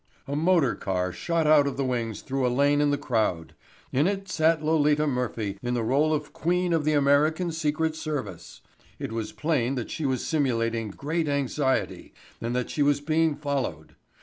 A motor car shot out of the wings through a lane in the crowd. In it sat Lolita Murphy in the role of queen of the American secret service! It was plain that she was simulating great anxiety and that she was being followed.